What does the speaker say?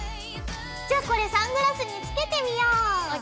じゃあこれサングラスにつけてみよう！ＯＫ。